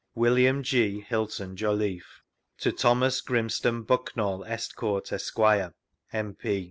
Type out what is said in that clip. William G. Hylton Joluffe. To Thomas Grimston Bucknall Estcourt, Esq., M.